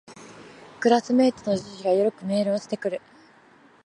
クラスメイトの女子がよくメールをしてくる